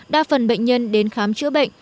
đa phần bệnh nhân đến khám chữa bệnh